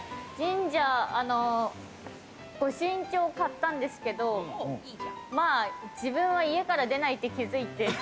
生御朱印帳を買ったんですけど、まぁ、自分は家から出ないって気づいて。